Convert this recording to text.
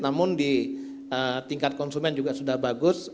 namun di tingkat konsumen juga sudah bagus